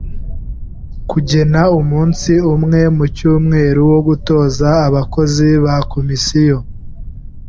Kugena umunsi umwe mu cyumweru wo gutoza abakozi ba komisiyo